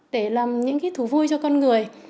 để làm những thú vui cho con người